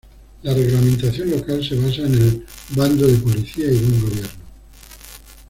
La reglamentación local se basa en el Bando de policía y buen gobierno.